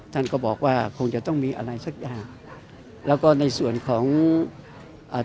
ท่านก็บอกว่าคงจะต้องมีอะไรสักอย่างแล้วก็ในส่วนของอ่า